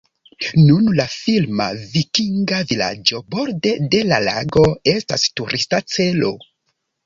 Nun la filma vikinga vilaĝo borde de la lago estas turista celo.